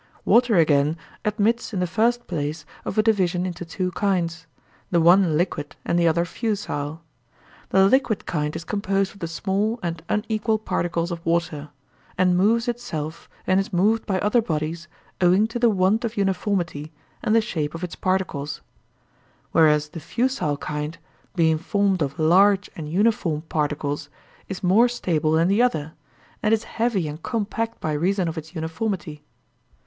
Water, again, admits in the first place of a division into two kinds; the one liquid and the other fusile. The liquid kind is composed of the small and unequal particles of water; and moves itself and is moved by other bodies owing to the want of uniformity and the shape of its particles; whereas the fusile kind, being formed of large and uniform particles, is more stable than the other, and is heavy and compact by reason of its uniformity.